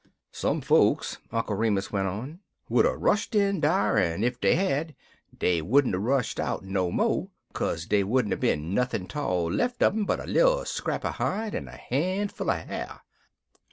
"Some folks," Uncle Remus went on, "would 'a' rushed in dar, en ef dey had, dey wouldn't 'a' rushed out no mo', kaze dey wouldn't 'a' been nothin' 'tall lef' un um but a little scrap er hide en a han'ful er ha'r.